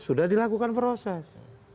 sudah dilakukan proses